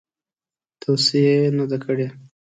توصیه یې نه ده کړې.